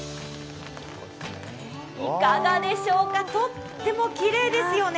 いかがでしょうか、とってもきれいですよね。